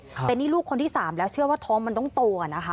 จะท้องเล็กแต่คนนี้ลูกคนที่สามแล้วเชื่อว่าท้องต้องโต